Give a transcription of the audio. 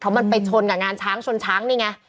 มันไปชนกับงานช้างชนช้างนี่ไง